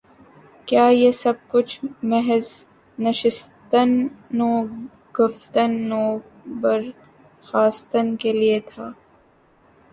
کیا یہ سب کچھ محض نشستن و گفتن و برخاستن کے لیے تھا؟